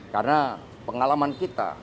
karena pengalaman kita